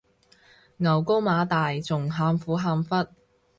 牛高馬大仲喊苦喊忽